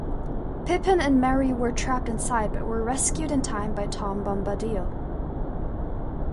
Pippin and Merry were trapped inside but were rescued in time by Tom Bombadil.